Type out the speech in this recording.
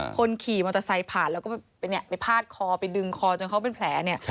คนขี่มอเตอร์ไซค์ผ่านแล้วก็ไปพาดคอไปดึงคอจนเขาเป็นแผลเนี่ย